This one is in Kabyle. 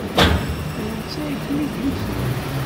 D nettat ay kem-id-yuznen?